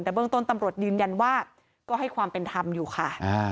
แต่เบื้องต้นว่าก็ให้ความเป็นธรรมอยู่ค่ะ